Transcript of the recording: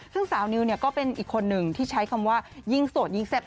ซึ่งสาวนิวก็เป็นอีกคนหนึ่งที่ใช้คำว่ายิ่งโสดยิ่งแซ่บ